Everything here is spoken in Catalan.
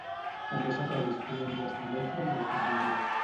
També s'ha previst un enllaç de metro amb el terminal.